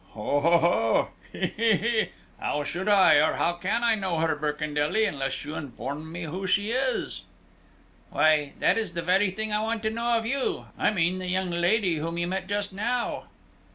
"Ho ho ho! Hee hee hee! How should I, or how can I, know her, Birkendelly, unless you inform me who she is?" "Why, that is the very thing I want to know of you. I mean the young lady whom you met just now."